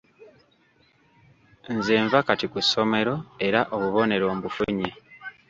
Nze nva kati ku ssomero era obubonero mbufunye.